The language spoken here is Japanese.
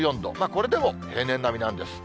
これでも平年並みなんです。